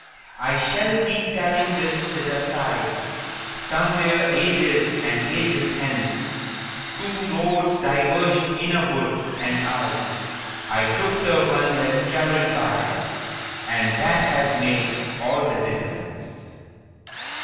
I shall be telling this with a sigh Somewhere ages and ages hence: Two roads diverged in a wood, and I–– I took the one less traveled by, And that has made all the difference.